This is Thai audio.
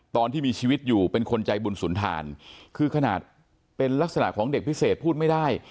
ตอนที่มีชีวิตอยู่เป็นคนใจบุญสุนทานคือขนาดเป็นลักษณะของเด็กพิเศษพูดไม่ได้